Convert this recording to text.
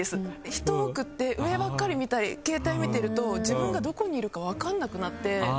人多くて上ばっかり見たり携帯見てると自分がどこにいるか分かんなくなって。